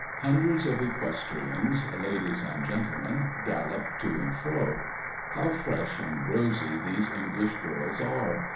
Hundreds of equestrians, ladies and gentlemen, gallop to and fro. How fresh and rosy these English girls are!